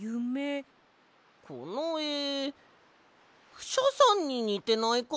このえクシャさんににてないか？